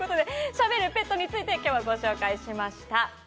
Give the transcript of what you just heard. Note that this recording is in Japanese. しゃべるペットについて今日はご紹介しました。